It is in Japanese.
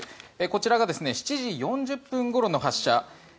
こちらが７時４０分ごろの発射。